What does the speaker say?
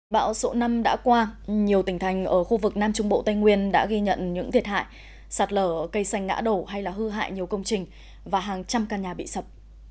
bão số năm đã qua nhiều tỉnh thành ở khu vực nam trung bộ tây nguyên đã ghi nhận những thiệt hại sạt lở cây xanh ngã đổ hay là hư hại nhiều công trình và hàng trăm căn nhà bị sập